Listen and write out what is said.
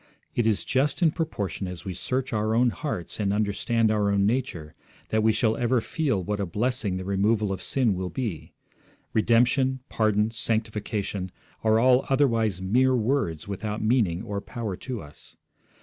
It is just in proportion as we search our own hearts and understand our own nature that we shall ever feel what a blessing the removal of sin will be; redemption, pardon, sanctification, are all otherwise mere words without meaning or power to us.